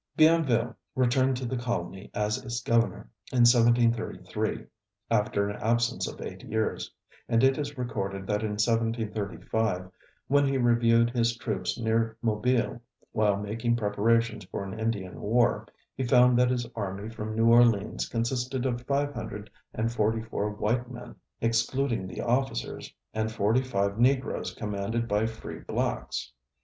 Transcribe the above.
Bienville returned to the colony as its governor in 1733, after an absence of eight years, and it is recorded that in 1735, when he reviewed his troops near Mobile while making preparations for an Indian war, he found that his army from New Orleans consisted of five hundred and forty four white men, excluding the officers, and forty five Negroes commanded by free blacks.